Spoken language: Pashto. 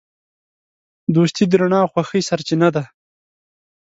دوستي د رڼا او خوښۍ سرچینه ده.